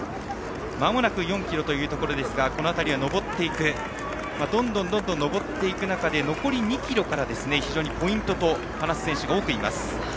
まもなく４ｋｍですがこの辺りはどんどん上っていく中で残り２ｋｍから非常にポイントと話す選手が多くいます。